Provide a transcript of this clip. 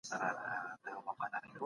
ذمي په اسلام کي حق لري.